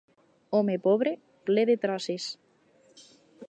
Home pobre, ple de traces.